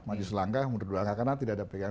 maju selangkah mundur dua langkah